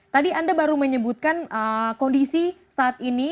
tadi anda baru menyebutkan kondisi saat ini